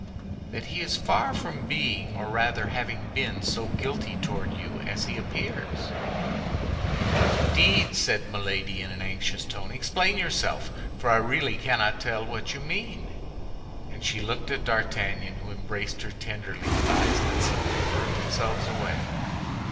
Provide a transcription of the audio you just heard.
"That he is far from being, or rather having been, so guilty toward you as he appears." "Indeed!" said Milady, in an anxious tone; "explain yourself, for I really cannot tell what you mean." And she looked at D'Artagnan, who embraced her tenderly, with eyes which seemed to burn themselves away.